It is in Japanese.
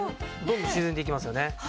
どんどん沈んでいきますよね。